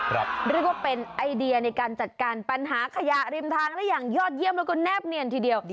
เรียกว่าเป็นไอเดียในการจัดการปัญหาขยะริมทางได้อย่างยอดเยี่ยมแล้วก็แบเนียนทีเดียว